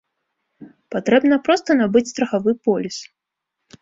Патрэбна проста набыць страхавы поліс.